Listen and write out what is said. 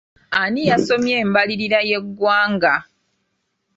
Ani yasomye embalirira y'eggwanga?